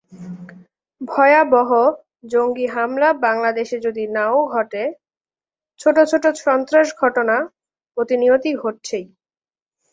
ভয়াবহ জঙ্গি হামলা বাংলাদেশে যদি না-ও ঘটে, ছোট ছোট সন্ত্রাস-ঘটনা প্রতিনিয়ত ঘটছেই।